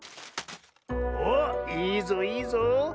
おっいいぞいいぞ。